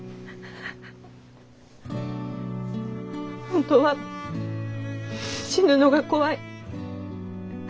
本当は死ぬのが怖い。